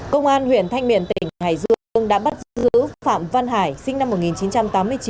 công an huyện thanh miện tỉnh hải dương đã bắt giữ phạm văn hải sinh năm một nghìn chín trăm tám mươi chín